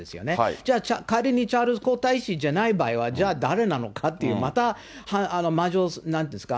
じゃあ、仮にチャールズ皇太子じゃない場合はじゃあ、誰なのかっていう、また、なんていうんですか、